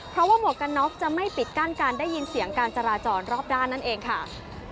เพราะว่าหมวกกันน็อกจะไม่ปิดกั้นการได้ยินเสียงการจราจรรอบด้านนั่นเองค่ะ